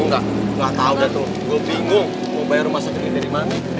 nggak nggak tahu datang gue bingung mau bayar rumah segera dari mana